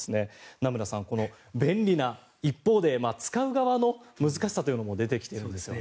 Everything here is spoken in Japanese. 名村さん、便利な一方で使う側の難しさも出てきているんですよね。